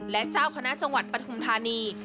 และเจ้าคณะจังหวัดปฐุมธานี